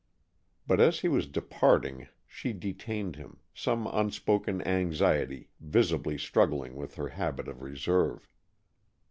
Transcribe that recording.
But as he was departing she detained him, some unspoken anxiety visibly struggling with her habit of reserve.